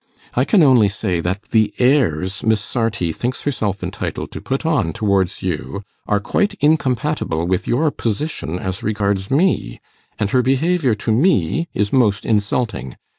I can only say that the airs Miss Sarti thinks herself entitled to put on towards you, are quite incompatible with your position as regards me. And her behaviour to me is most insulting.